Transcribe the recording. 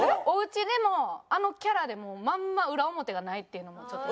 おうちでもあのキャラでもうまんま裏表がないっていうのも。